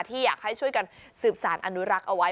อยากให้ช่วยกันสืบสารอนุรักษ์เอาไว้